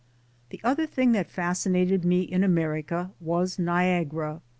The other thing that fascinated me in America was Niagara.